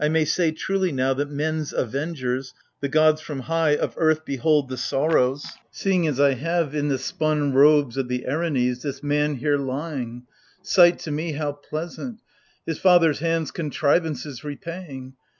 1 may say truly, now, that men's avengers, The gods from high, of earth behold the sorrows — Seeing, as I have, i' the spun robes of the Erinues, This man here lying, — sight to me how pleasant !— His father's hands' contrivances repaying.